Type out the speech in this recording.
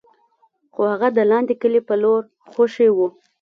خو هغه د لاندې کلي په لور خوشې و.